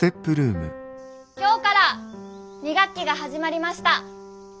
今日から２学期が始まりました。